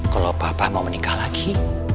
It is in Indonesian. kalau papa mau menikah lagi